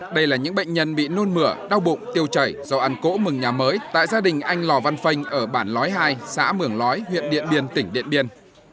đây là những bệnh nhân bị nôn mửa đau bụng tiêu chảy do ăn cổ mường nhà mới tại gia đình anh lò văn phanh ở bản lói hai xã mường lói huyện địa biên tỉnh địa biên